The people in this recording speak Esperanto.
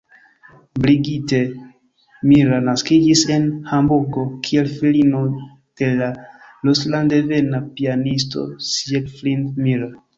Brigitte Mira naskiĝis en Hamburgo, kiel filino de la rusland-devena pianisto Siegfried Mira.